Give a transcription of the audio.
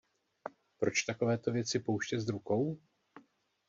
Proč takovéto věci pouštět z rukou?